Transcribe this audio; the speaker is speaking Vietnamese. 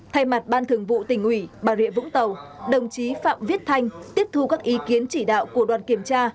thay mặt ban thường vụ tỉnh ủy bà rịa vũng tàu đồng chí phạm viết thanh tiếp thu các ý kiến chỉ đạo của đoàn kiểm tra